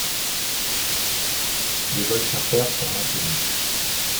Les vols charters sont maintenus.